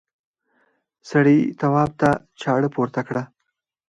سړي تواب ته چاړه پورته کړه.